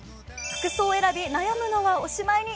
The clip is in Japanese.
服装選び、悩むのはおしまいに。